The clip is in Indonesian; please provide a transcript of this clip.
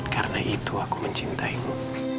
karena itu aku mencintaimu